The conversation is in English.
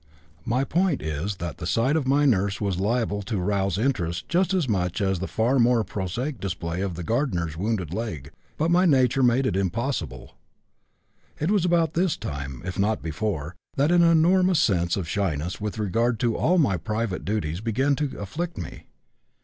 My point is that the sight of my nurse was liable to rouse interest just as much as the far more prosaic display of the gardener's wounded leg, but my nature made it impossible. "It was about this time, if not before, that an enormous sense of shyness with regard to all my private duties began to afflict me.